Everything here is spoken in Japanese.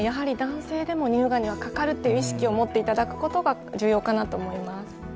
男性でも乳がんにはかかるっていう意識を持っていただくことが重要かなと思います。